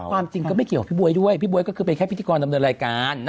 ความจริงก็ไม่เกี่ยวกับพี่บ๊วยด้วยพี่บ๊วยก็คือเป็นแค่พิธีกรดำเนินรายการ